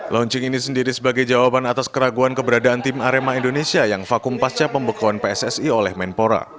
launching ini sendiri sebagai jawaban atas keraguan keberadaan tim arema indonesia yang vakum pasca pembekuan pssi oleh menpora